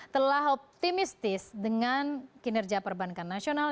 telah optimistis dengan kinerja perbankan nasional